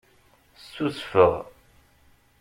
Ssusfeɣ.